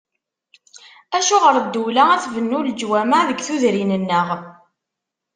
Acuɣer ddula ad tbennu leǧwameɛ deg tudrin-nneɣ?